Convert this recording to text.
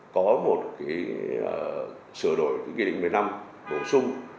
có một cái sửa đổi cái nghị định một mươi năm bổ sung